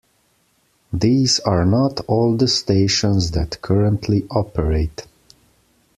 These are not all the stations that currently operate.